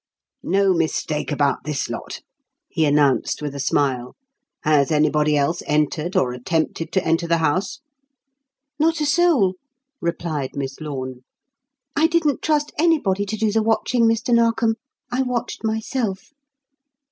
"No mistake about this lot," he announced, with a smile. "Has anybody else entered or attempted to enter the house?" "Not a soul," replied Miss Lorne. "I didn't trust anybody to do the watching, Mr. Narkom I watched myself."